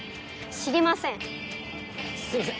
知りません。